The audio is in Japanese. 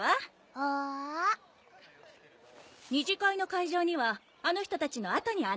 ２次会の会場にはあの人たちの後に案内するから。